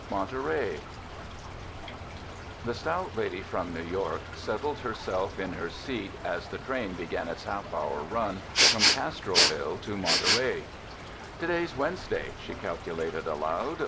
Monterey The stout lady from New York settled herself in 223 UNDER THE SKY IN CALIFORNIA her seat as the train began its half hour run from Castroville to Monterey. "To day's Wednesday," she calculated aloud.